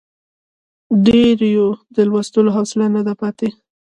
ډېریو د لوستلو حوصله نه ده پاتې.